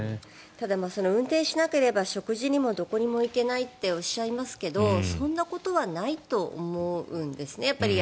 ただ、運転しなければ食事にもどこにも行けないとおっしゃいますけどそんなことはないと思うんですね。